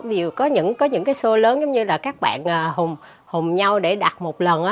ví dụ có những cái số lớn giống như là các bạn hùng nhau để đặt một lần